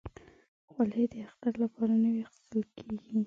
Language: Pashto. خولۍ د اختر لپاره نوي اخیستل کېږي.